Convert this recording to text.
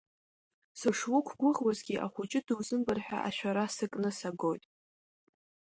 Сышуқәгәыӷуагьы, ахәыҷы дузымбар ҳәа ашәара сыкны сагоит.